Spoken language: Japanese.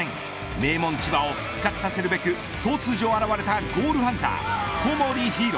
名門千葉を復活させるべく突如現れたゴールハンター小森飛絢。